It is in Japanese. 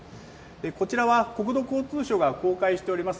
こちらは国土交通省が公開しております